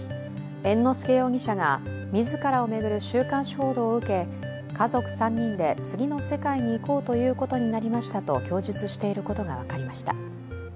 猿之助容疑者が自らを巡る週刊誌報道を受け、家族３人で次の世界に行こうということになりましたと供述していることが分かりました。